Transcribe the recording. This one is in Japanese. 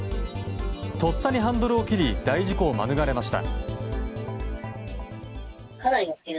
とっさにハンドルを切り大事故を免れました。